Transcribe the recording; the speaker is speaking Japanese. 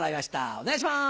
お願いします！